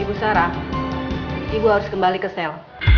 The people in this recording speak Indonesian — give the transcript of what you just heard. ibu sarah ibu harus kembali ke sel